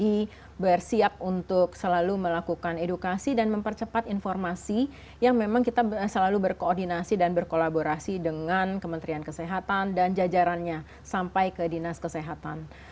kami bersiap untuk selalu melakukan edukasi dan mempercepat informasi yang memang kita selalu berkoordinasi dan berkolaborasi dengan kementerian kesehatan dan jajarannya sampai ke dinas kesehatan